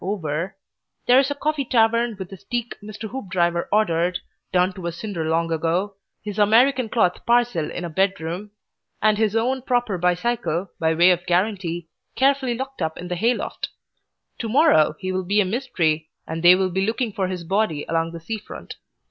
over), there is a Coffee Tavern with a steak Mr. Hoopdriver ordered, done to a cinder long ago, his American cloth parcel in a bedroom, and his own proper bicycle, by way of guarantee, carefully locked up in the hayloft. To morrow he will be a Mystery, and they will be looking for his body along the sea front.